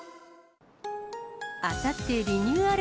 あさってリニューアル